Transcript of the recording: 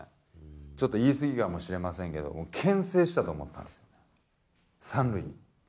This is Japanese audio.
ちょっと言い過ぎかもしれませんけども、もうけん制したと思った、３塁に。